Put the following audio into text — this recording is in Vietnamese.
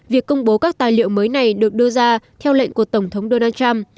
việc công bố các tài liệu mới này được đưa ra theo lệnh của tổng thống donald trump